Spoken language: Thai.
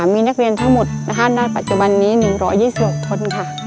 มีนักเรียนทั้งหมดณปัจจุบันนี้๑๒๖คน